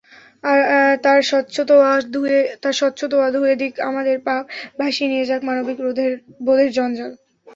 তার স্বচ্ছতোয়া ধুয়ে দিক আমাদের পাপ, ভাসিয়ে নিয়ে যাক মানবিক বোধের জঞ্জাল।